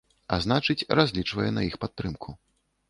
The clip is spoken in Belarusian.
А значыць, разлічвае на іх падтрымку.